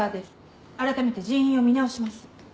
あらためて人員を見直します。